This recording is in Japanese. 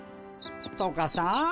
とかさ。